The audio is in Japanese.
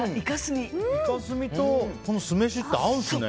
イカ墨と酢飯って合うんですね。